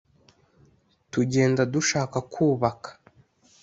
tugenda dushaka kubaka